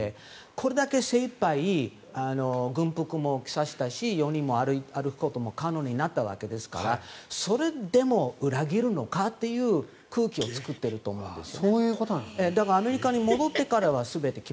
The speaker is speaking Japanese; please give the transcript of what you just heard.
これだけ精いっぱい軍服も着させたし４人も歩くことも可能になったわけですからそれでも裏切るのかという空気を作ってると思うんです。